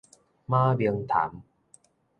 馬明潭